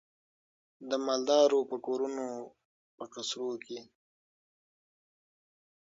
د مالدارو په کورونو په قصرو کي